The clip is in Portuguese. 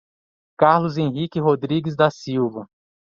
Carlos Henrique Rodrigues da Silva